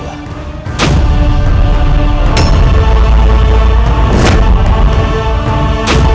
aku akan membantu kamu